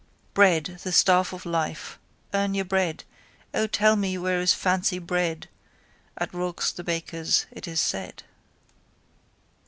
Bread, the staff of life, earn your bread, O tell me where is fancy bread, at Rourke's the baker's it is said.